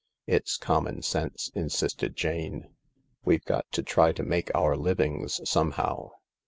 "It's common sense," insisted Jane. "We've got to try to make our livings somehow.